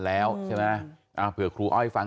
มีเรื่องอะไรมาคุยกันรับได้ทุกอย่าง